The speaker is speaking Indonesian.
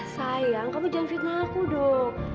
sayang kamu jangan fitnah aku dong